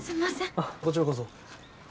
あっこちらこそ。